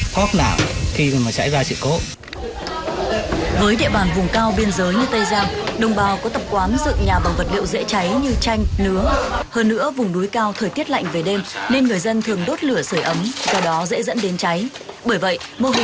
không để xảy ra thiệt hại nghiêm trọng đặc biệt là thương vong về người